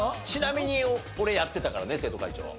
ちなみに俺やってたからね生徒会長。